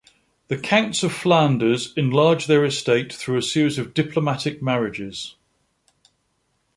The Counts of Flanders enlarged their estate through a series of diplomatic marriages.